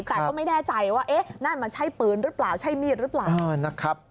แต่ก็ไม่แน่ใจว่านั่นมันใช้ปืนหรือเปล่าใช้มีดหรือเปล่า